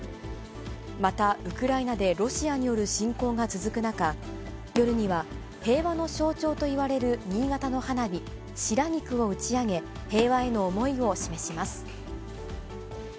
また、ウクライナでロシアによる侵攻が続く中、夜には平和の象徴といわれる新潟の花火、白菊を打ち上げ、平和への思いを示します。